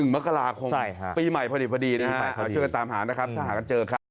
มกราคมปีใหม่พอดีช่วยกันตามหานะครับถ้าหากันเจอครับ